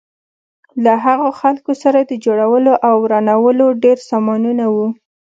له هغو خلکو سره د جوړولو او ورانولو ډېر سامانونه وو.